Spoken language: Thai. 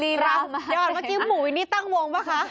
ยอดเมื่อกี้หมู่อันนี้ตั้งวงปะคะ